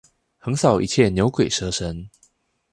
橫掃一切牛鬼蛇神！